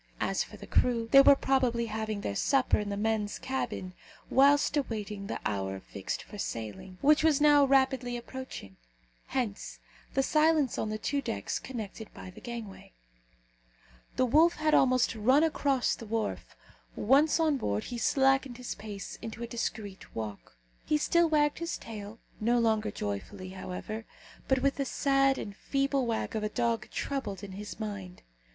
As for the crew, they were probably having their supper in the men's cabin, whilst awaiting the hour fixed for sailing, which was now rapidly approaching. Hence the silence on the two decks connected by the gangway. The wolf had almost run across the wharf; once on board, he slackened his pace into a discreet walk. He still wagged his tail no longer joyfully, however, but with the sad and feeble wag of a dog troubled in his mind.